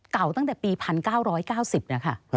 เก่าตั้งแต่ปี๑๙๙๐นะคะ